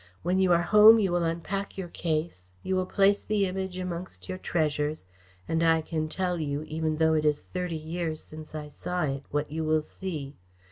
When you are home you will unpack your case, you will place the Image amongst your treasures, and I can tell you, even though it is thirty years since I saw it, what you will see.